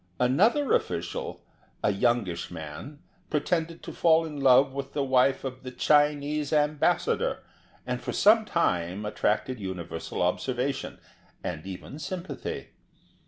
Another official, a youngish man, pretended to fall in love with the wife of the Chinese Ambassador, and for some time attracted universal observation, and even sympathy.